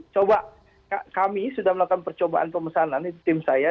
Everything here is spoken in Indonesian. coba kami sudah melakukan percobaan pemesanan tim saya